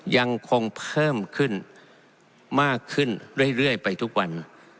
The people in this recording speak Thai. ยังคงเพิ่มขึ้นมากขึ้นเรื่อยไปทุกวัน